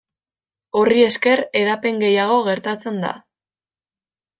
Horri esker, hedapen gehiago gertatzen da.